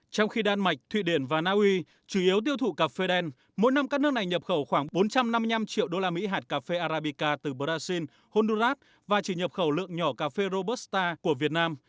trong khi đan mạch thụy điển và naui chủ yếu tiêu thụ cà phê đen mỗi năm các nước này nhập khẩu khoảng bốn trăm năm mươi năm triệu đô la mỹ hạt cà phê arabica từ brazil honduras và chỉ nhập khẩu lượng nhỏ cà phê robusta của việt nam